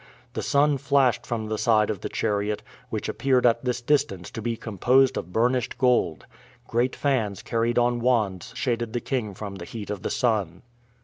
The sun flashed from the side of the chariot, which appeared at this distance to be composed of burnished gold. Great fans carried on wands shaded the king from the heat of the sun.